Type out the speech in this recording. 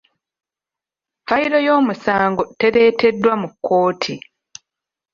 Fayiro y’omusango tereeteddwa mu kkooti.